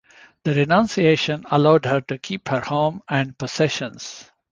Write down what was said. The renunciation allowed her to keep her home and possessions.